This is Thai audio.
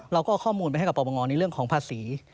เราก็เอาข้อมูลไปให้กับปปงในเรื่องของภาษี